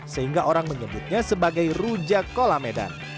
sehingga orang menyebutnya sebagai rujak kolamedan